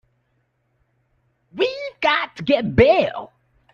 We've got to get bail.